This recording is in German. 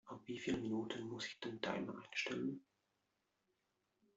Auf wie viel Minuten muss ich den Timer einstellen?